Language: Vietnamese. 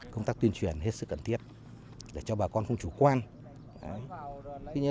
công tác tuyên truyền hết sức cần thiết để cho bà con không chủ quan